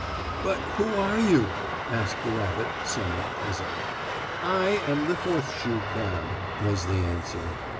"But who are you?" asked the rabbit, somewhat puzzled. "I am the horseshoe crab," was the answer.